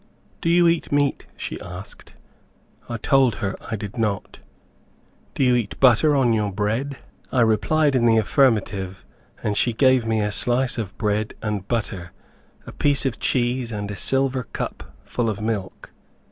"Do you eat meat?" she asked. I told her I did not. "Do you eat butter on your bread?" I replied in the affirmative, and she gave me a slice of bread and butter, a piece of cheese and a silver cup full of milk.